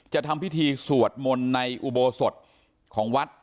ทำพิธีสวดมนต์ในอุโบสถของวัด